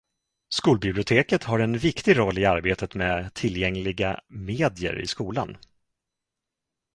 Skolbiblioteket har en viktig roll i arbetet med tillgängliga medier i skolan.